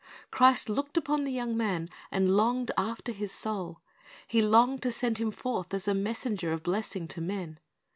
Christ looked upon the young man, and longed after his soul. He longed to send him forth as a messenger of blessing to men.